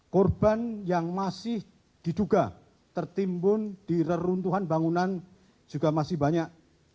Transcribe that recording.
korban yang masih diduga tertimbun di reruntuhan bangunan juga masih banyak